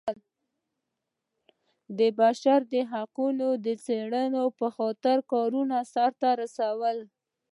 د بشر د حقونو د څارنې په خاطر کارونه سرته رسولي.